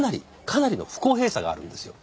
かなりの不公平さがあるんですよ。